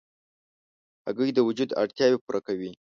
هګۍ د وجود اړتیاوې پوره کوي.